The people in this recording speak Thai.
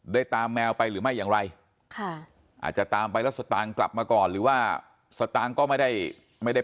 ตามแมวไปหรือไม่อย่างไรค่ะอาจจะตามไปแล้วสตางค์กลับมาก่อนหรือว่าสตางค์ก็ไม่ได้ไม่ได้